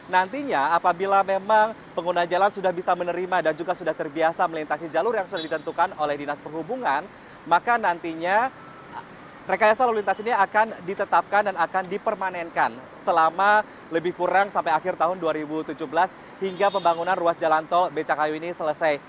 nantinya apabila memang pengguna jalan sudah bisa menerima dan juga sudah terbiasa melintasi jalur yang sudah ditentukan oleh dinas perhubungan maka nantinya rekayasa lalu lintas ini akan ditetapkan dan akan dipermanenkan selama lebih kurang sampai akhir tahun dua ribu tujuh belas hingga pembangunan ruas jalan tol becakayu ini selesai